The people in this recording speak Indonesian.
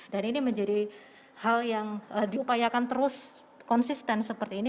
dan ini menjadi hal yang diupayakan terus konsisten seperti ini